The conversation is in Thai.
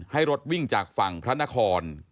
ให้รถวิ่งจากฝั่งพระนคร